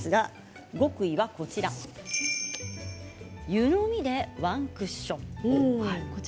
極意は湯飲みでワンクッション。